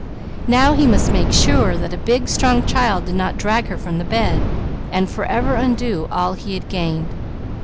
Now he must make sure that a big strong child did not drag her from the bed, and forever undo all he had gained.